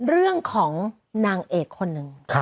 เรื่องของนางเอกคนหนึ่ง